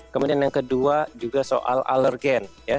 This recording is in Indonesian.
kemudian yang kedua juga soal alergen